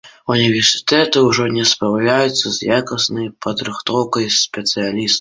Універсітэты ўжо не спраўляюцца з якаснай падрыхтоўкай спецыялістаў.